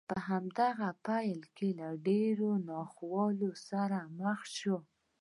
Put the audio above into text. په هماغه پيل کې له ډېرو ناخوالو سره مخ شو.